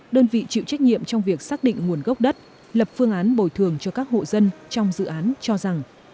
đơn vị chịu trách nhiệm trong việc xác định nguồn gốc đất lập phương án bồi thường cho các hộ dân trong dự án cho rằng